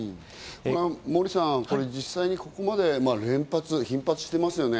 モーリーさん、実際にここまで連発、頻発していますね。